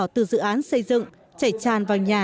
từ dự án xây dựng chảy chàn vào nhà